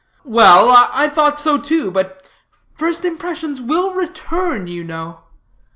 "Well, I thought so, too; but first impressions will return, you know.